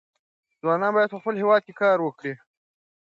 ځوانان باید په خپل هېواد کې کار وکړي.